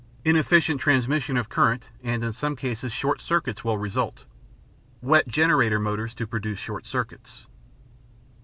Inefficient transmission of current and, in some cases, short circuits will result. Wet generator motors to produce short circuits.